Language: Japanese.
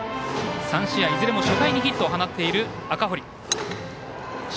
３試合、いずれも初回にヒットを放っている赤堀。